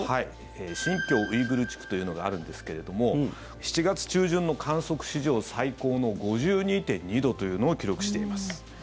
新疆ウイグル自治区というのがあるんですけども７月中旬の観測史上最高の５２．２度というのを記録しています。